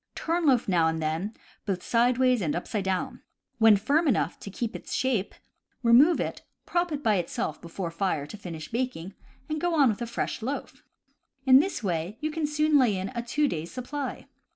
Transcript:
Turn loaf now and then, both sidewise and upside down. When firm enough to keep its shape, remove it, prop it by itself CAMP COOKERY 121 before the fire to finish baking, and go on with a fresh loaf. In this way you can soon lay in a two days' supply.